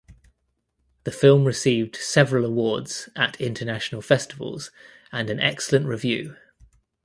The film received several awards at international festivals and an excellent review.